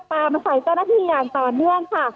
มาใส่เจ้าหน้าที่อย่างต่อเนื่องค่ะ